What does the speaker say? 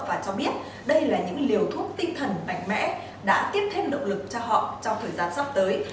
và cho biết đây là những liều thuốc tinh thần mạnh mẽ đã tiếp thêm động lực cho họ trong thời gian sắp tới